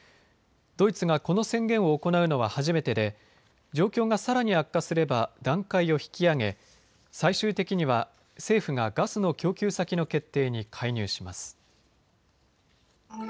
ドイツがこの宣言を行うのは初めてで状況がさらに悪化すれば段階を引き上げ最終的には政府がガスの供給先の決定に介入します。